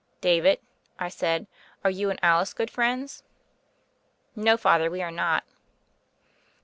"David," I said, "are you and Alice good friends?" "No, Father, we are not."